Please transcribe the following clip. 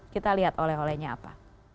kita lihat oleh olehnya apa